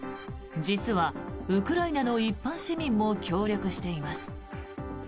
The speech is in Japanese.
実はウクライナの一般市民も協力しています。